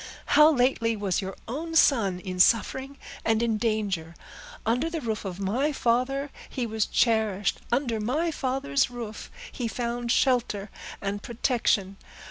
how lately was your own son in suffering and in danger! Under the roof of my father he was cherished under my father's roof he found shelter and protection.